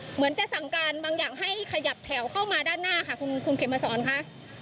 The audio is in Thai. เหมือนจะสั่งการบางอย่างให้ขยับแถวเข้ามาด้านหน้าค่ะคุณเข็มมาสอนค่ะ